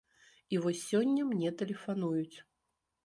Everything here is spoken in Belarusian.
І вось сёння мне тэлефануюць.